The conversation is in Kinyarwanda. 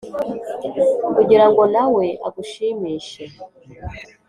kugira ngo nawe agushimishe.